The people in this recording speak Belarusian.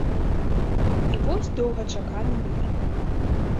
І вось доўгачаканы мір.